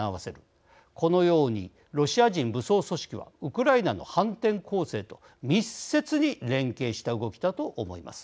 このようにロシア人武装組織はウクライナの反転攻勢と密接に連携した動きだと思います。